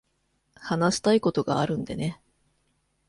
話したいことがあるんでね。